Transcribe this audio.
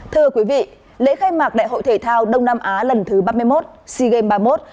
thưa quý vị lễ khai mạc đại hội thể thao đông nam á lần thứ ba mươi một sea games ba mươi một